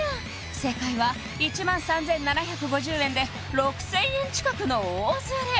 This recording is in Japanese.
正解は１万３７５０円で６０００円近くの大ズレ！